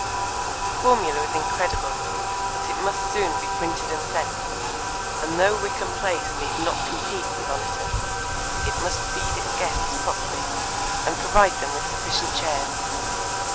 The formula was incredible, but it must soon be printed and sent, and though Wickham Place need not compete with Oniton, it must feed its guests properly, and provide them with sufficient chairs.